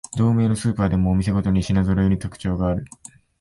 同名のスーパーでもお店ごとに品ぞろえに特徴がある